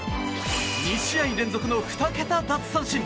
２試合連続の２桁奪三振。